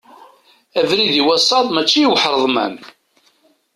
Abrid i wasaḍ mačči i uḥreḍman.